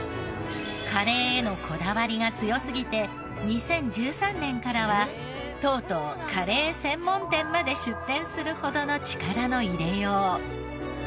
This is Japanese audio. カレーへのこだわりが強すぎて２０１３年からはとうとうカレー専門店まで出店するほどの力の入れよう。